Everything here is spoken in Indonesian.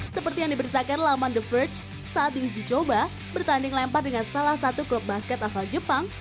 seperti yang diberitakan laman the verge saat diuji coba bertanding lempar dengan salah satu klub basket asal jepang